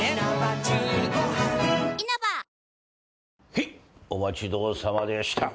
へいお待ち遠さまでした。